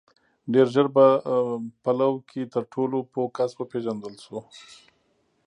• ډېر ژر په لو کې تر ټولو پوه کس وپېژندل شو.